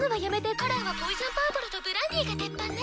カラーはポイズンパープルとブランディが鉄板ね。